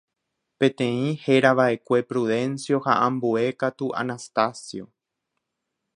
Peteĩ herava'ekue Prudencio ha ambue katu Anastacio